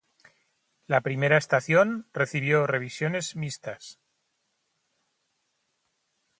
La primera estación recibió revisiones mixtas.